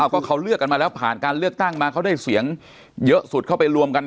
ก็เขาเลือกกันมาแล้วผ่านการเลือกตั้งมาเขาได้เสียงเยอะสุดเข้าไปรวมกัน